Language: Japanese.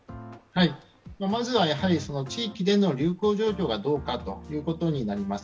まずは、地域での流行状況がどうかということによります。